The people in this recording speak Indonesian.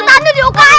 kita tahan dulu di ukang